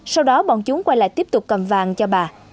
sau đó bọn chúng quay lại tiếp tục cầm vàng cho bà